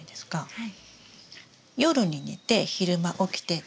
はい。